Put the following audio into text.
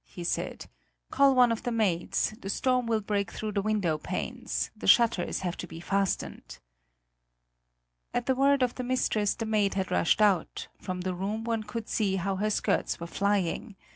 he said; "call one of the maids; the storm will break through the window panes the shutters have to be fastened!" At the word of the mistress, the maid had rushed out; from the room one could see how her skirts were flying.